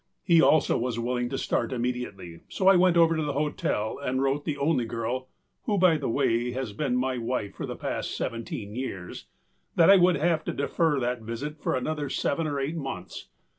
He also was willing to start immediately, so I went over to the hotel and wrote the only girl who, by the way, has been my wife for the past seventeen years that I would have to defer that visit for another seven or eight months.